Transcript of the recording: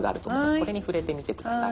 これに触れてみて下さい。